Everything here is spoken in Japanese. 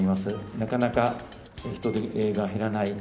なかなか人出が減らない。